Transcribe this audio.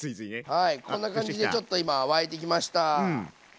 はいこんな感じでちょっと今沸いてきました。